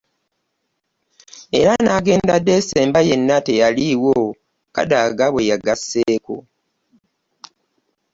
Era n'agenda Decemba yenna teyaliiwo. Kadaga bwe yagasseeko.